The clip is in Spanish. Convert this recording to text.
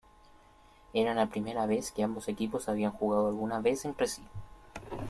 Era la primera vez que ambos equipos habían jugado alguna vez entre sí.